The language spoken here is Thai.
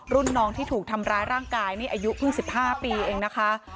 รุ่นน้องที่ถูกทำร้ายร่างกายนี่อายุเพิ่ง๑๕ปีเองนะคะ